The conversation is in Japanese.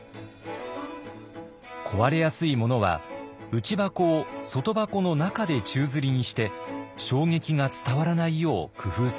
壊れやすいものは内箱を外箱の中で宙づりにして衝撃が伝わらないよう工夫されています。